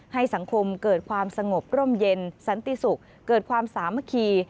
ให้สังคมเกิดความสงบร่มเย็นสันติสุขเกิดความสามัคคี